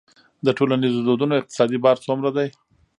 د ټولنیزو دودونو اقتصادي بار څومره دی؟